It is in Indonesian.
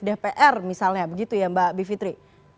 dpr misalnya begitu ya mbak bivitri